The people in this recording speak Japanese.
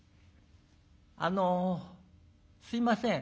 「あのすいません。